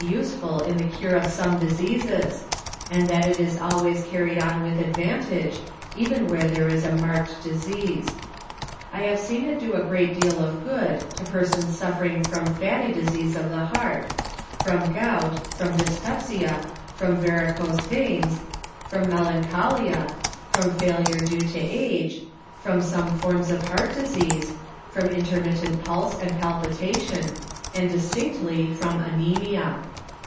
179 useful in the cure of some diseases and that it is always carried on with advantage, even when there is a marked disease. I have seen it do a great deal of good to persons suffering from fatty dis ease of the heart, from gout, from dyspepsia, from varicose veins, from melancholia, from failure due to age, from some forms of heart disease, from intermittent pulse and palpitation, and dis tinctly from anemia.